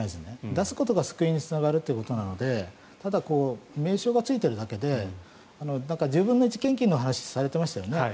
出すことが救いにつながるということなのでただ、名称がついているだけで１０分の１献金の話をされていましたよね。